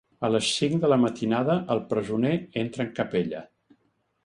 A les cinc de la matinada, el presoner entra en capella.